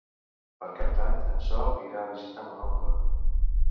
Per Cap d'Any en Sol irà a visitar mon oncle.